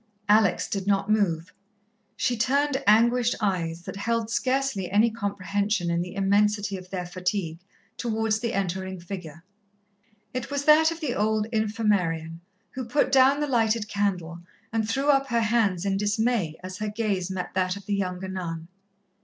Alex did not move. She turned anguished eyes, that held scarcely any comprehension in the immensity of their fatigue, towards the entering figure. It was that of the old Infirmarian, who put down the lighted candle and threw up her hands of dismay as her gaze met that of the younger nun.